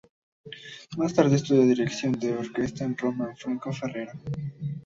Más tarde estudia dirección de orquesta en Roma con Franco Ferrara.